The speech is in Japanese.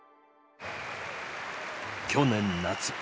去年夏。